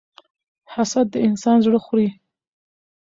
حسد د انسان زړه خوري.